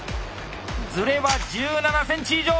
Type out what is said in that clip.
ズレは１７ｃｍ以上！